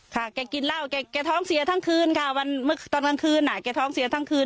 แกกินเหล้าแกท้องเสียทั้งคืนค่ะวันตอนกลางคืนอ่ะแกท้องเสียทั้งคืน